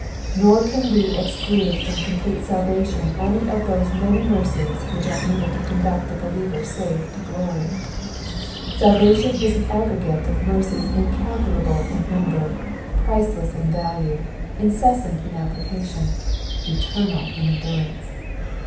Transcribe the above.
Nor can we exclude from complete salvation any of those many mercies which are needed to conduct the be liever safe to glory. Salvation is an aggregate of mercies incalculable in number, priceless in value, incessant in application, eternal in endurance.